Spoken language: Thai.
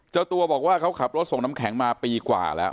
เจ้าตัวบอกว่าเขาขับรถส่งน้ำแข็งมาปีกว่าแล้ว